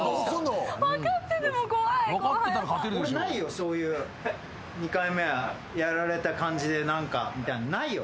そういう２回目はやられた感じで何かみたいなのないよ。